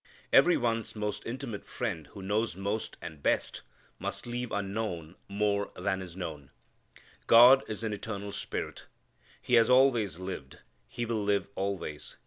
Even one's most intimate friend who knows most and best must leave unknown more than is known. God is an eternal spirit. He has always lived. He will live always.